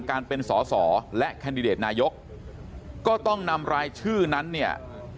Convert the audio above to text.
การเป็นสอสอและแคนดิเดตนายกก็ต้องนำรายชื่อนั้นเนี่ย